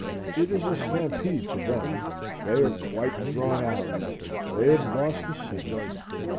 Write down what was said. It is a stampede to them; they are quite thrown out; they have lost the scent.